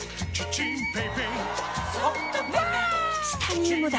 チタニウムだ！